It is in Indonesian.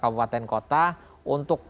kabupaten kota untuk